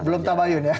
belum tabayun ya